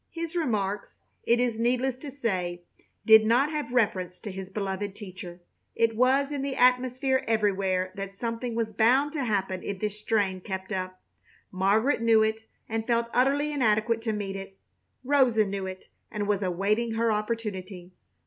His remarks, it is needless to say, did not have reference to his beloved teacher. It was in the atmosphere everywhere that something was bound to happen if this strain kept up. Margaret knew it and felt utterly inadequate to meet it. Rosa knew it and was awaiting her opportunity.